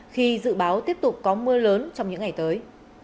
khi dự báo tiếp tục có mưa lớn trong những ngày tới